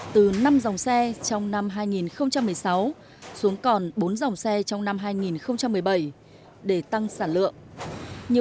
từ năm dòng xe trong năm hai nghìn một mươi sáu xuống còn bốn dòng xe trong năm hai nghìn một mươi bảy để tăng sản lượng